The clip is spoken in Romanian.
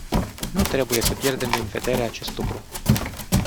Nu trebuie să pierdem din vedere acest lucru.